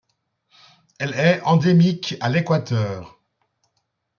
Elle est endémique à l'Équateur.